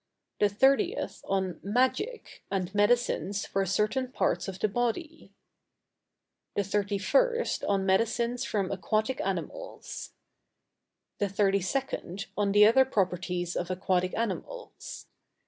The 30th on Magic, and Medicines for certain parts of the Body. The 31st on Medicines from Aquatic Animals. The 32d on the other properties of Aquatic Animals.